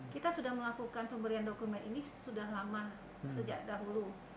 kita sudah melakukan pemberian dokumen ini sudah lama sejak dahulu